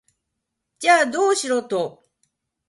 じゃあ、どうしろと？